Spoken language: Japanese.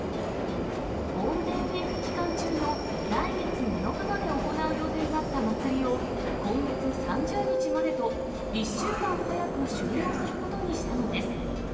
ゴールデンウィーク期間中の来月７日まで行う予定だったまつりを、今月３０日までと１週間早く終了することにしたのです。